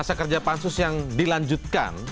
masa kerja pansus yang dilanjutkan